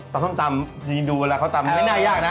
ตำส้มตำทีนี้ดูแล้วเขาตำไม่น่ายากนะ